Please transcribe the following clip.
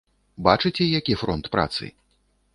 Бачыце, які фронт працы?